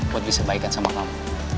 buat bisa baikan sama kamu